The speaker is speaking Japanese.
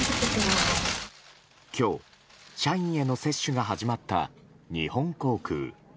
今日、社員への接種が始まった日本航空。